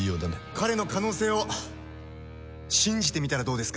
「彼の可能性を信じてみたらどうですか？」